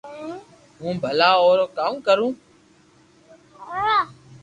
ھون ڀلا او رو ڪاو ڪرو